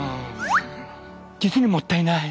実にもったいない。